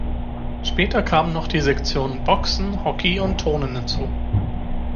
Später kamen noch die Sektionen Boxen, Hockey und Turnen hinzu.